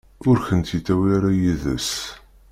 Ur kent-yettawi ara yid-s.